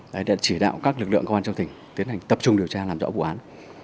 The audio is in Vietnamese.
đấy đã chỉ đạo các lực lượng công an trong tỉnh tiến hành tập trung điều tra làm rõ vụ án